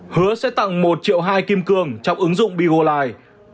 hứa sẽ tặng một triệu hai kim cương trong ứng dụng begolai